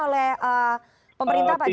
oleh pemerintah pak joko